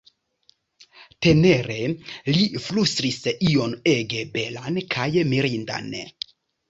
Tenere li flustris ion ege belan kaj mirindan.